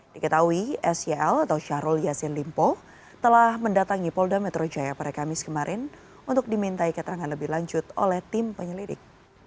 diketahui sel atau syahrul yassin limpo telah mendatangi polda metro jaya pada kamis kemarin untuk dimintai keterangan lebih lanjut oleh tim penyelidik